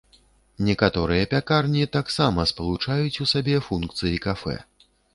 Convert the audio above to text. Некаторыя пякарні таксама спалучаюць у сабе функцыі кафэ.